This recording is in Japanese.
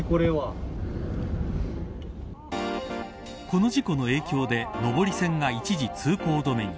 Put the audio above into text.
この事故の影響で上り線が一時、通行止めに。